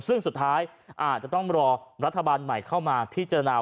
ซึ่งสุดท้ายอาจจะต้องรอรัฐบาลใหม่เข้ามาพิจารณา